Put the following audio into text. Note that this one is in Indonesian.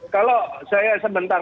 kalau saya sebentar